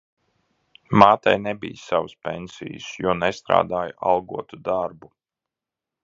Mātei nebija savas pensijas, jo nestrādāja algotu darbu.